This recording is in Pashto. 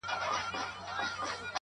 o له ښاره ووزه، له نرخه ئې نه.